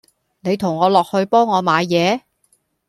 你同我落去幫我買嘢